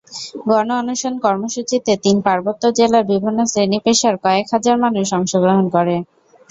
গণ-অনশন কর্মসূচিতে তিন পার্বত্য জেলার বিভিন্ন শ্রেণিপেশার কয়েক হাজার মানুষ অংশগ্রহণ করে।